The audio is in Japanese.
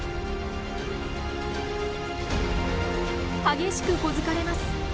激しく小突かれます。